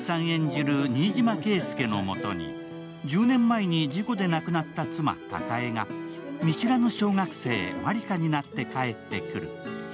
演じる新島圭介のもとに、１０年前に事故で亡くなった妻・貴恵が見知らぬ小学生・万理華になって帰ってくる。